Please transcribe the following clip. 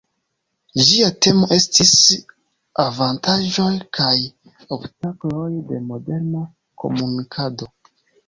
Ĝia temo estis "Avantaĝoj kaj obstakloj de moderna komunikado".